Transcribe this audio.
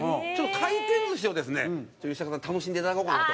回転寿司をですね、吉高さんに楽しんでいただこうかなと。